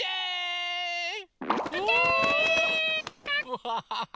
ワハハハ！